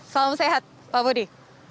salam sehat pak budi